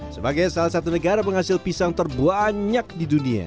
sebagai salah satu negara penghasil pisang terbanyak di dunia